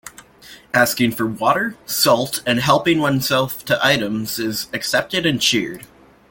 Asking for water, salt and helping oneself to items is accepted and cheered.